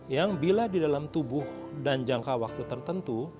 yang bila di dalam tubuh dan jangka waktu tertentu